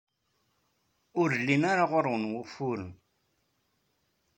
Ur llin ara ɣer-wen wufuren.